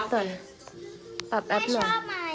จะปรับแอปหน่อย